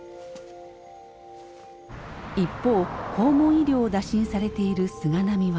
一方訪問医療を打診されている菅波は。